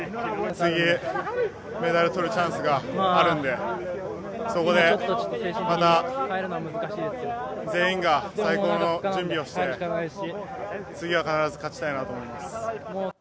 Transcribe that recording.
次、メダルをとるチャンスがあるのでそこでまた全員が最高の準備をして次は必ず勝ちたいなと思います。